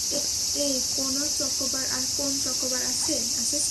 এই, কোন চকোবার আছে, - আছে স্যার।